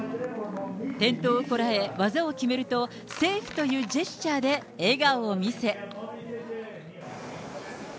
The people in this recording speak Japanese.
転倒をこらえ、技を決めると、セーフというジェスチャーで笑顔を見せ。